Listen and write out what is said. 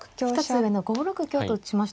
１つ上の５六香と打ちました。